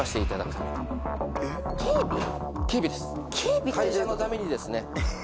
警備です会社のためにですね。